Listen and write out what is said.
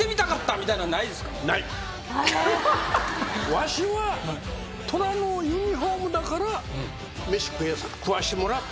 わしは虎のユニホームだから飯食わしてもらった。